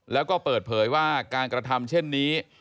แล้วก็เปิดเผยว่าการกระทำเช่นนี้